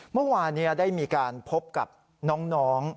เมื่อวานนี้ได้มีการพบกับน้อง